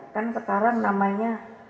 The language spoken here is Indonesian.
kan sekarang namanya